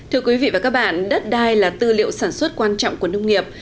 thưa quý vị và các bạn đất đai là tư liệu sản xuất quan trọng của nông nghiệp